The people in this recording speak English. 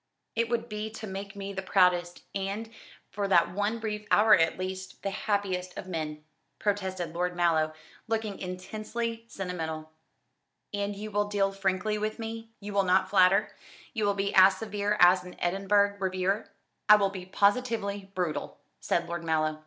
"It would be to make me the proudest, and for that one brief hour at least the happiest of men," protested Lord Mallow, looking intensely sentimental. "And you will deal frankly with me? You will not flatter? You will be as severe as an Edinburgh reviewer?" "I will be positively brutal," said Lord Mallow.